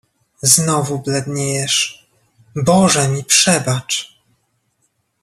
"znowu bledniejesz... Boże mi przebacz!"